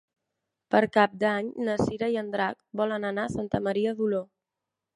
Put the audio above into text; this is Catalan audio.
Per Cap d'Any na Cira i en Drac volen anar a Santa Maria d'Oló.